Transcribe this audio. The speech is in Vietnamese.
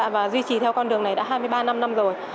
và duy trì theo con đường này đã hai mươi ba năm năm rồi